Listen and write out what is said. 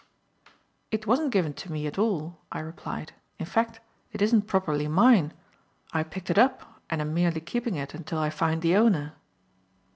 "It wasn't given to me at all," I replied. "In fact, it isn't properly mine. I picked it up and am merely keeping it until I find the owner."